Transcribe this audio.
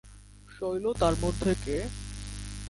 শৈল তার মধ্যে কে?